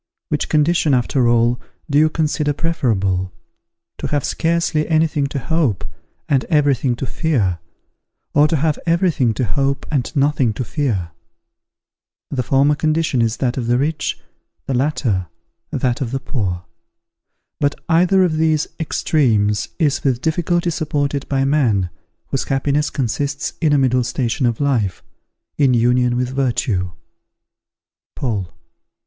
Which condition, after all, do you consider preferable, to have scarcely any thing to hope, and every thing to fear, or to have every thing to hope and nothing to fear? The former condition is that of the rich, the latter, that of the poor. But either of these extremes is with difficulty supported by man, whose happiness consists in a middle station of life, in union with virtue. _Paul.